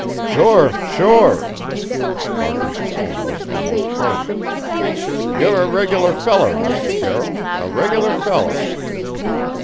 "Sure! Sure!" Barker's tone was almost hearty. "You're a regular feller, Mr. Carroll a regular feller!"